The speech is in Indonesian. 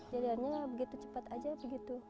jadiannya begitu cepat aja begitu